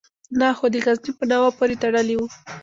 نه خو د غزني په ناوه پورې تړلی وو.